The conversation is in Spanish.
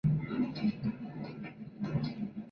Aang los mira contento.